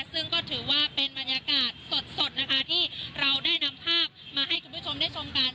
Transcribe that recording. ซึ่งก็ถือว่าเป็นบรรยากาศสดนะคะที่เราได้นำภาพมาให้คุณผู้ชมได้ชมกัน